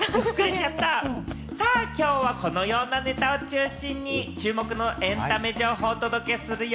さあ、きょうはこのようなネタを中心に注目のエンタメ情報をお届けするよ。